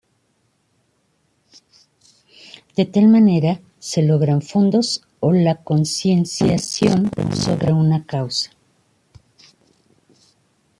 De tal manera, se logran fondos o la concienciación sobre una causa.